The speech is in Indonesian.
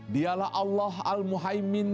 dialah allah al muhajir